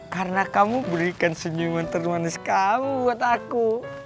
karena kamu berikan senyuman termanis kamu buat aku